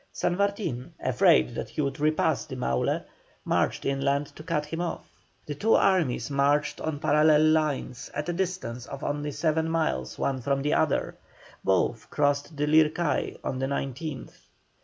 San Martin, afraid that he would repass the Maule, marched inland to cut him off. The two armies marched on parallel lines at a distance of only seven miles one from the other; both crossed the Lircay on the 19th.